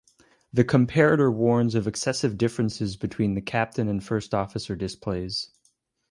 The comparator warns of excessive differences between the Captain and First Officer displays.